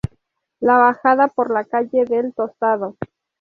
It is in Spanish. La bajada por la calle del Tostado.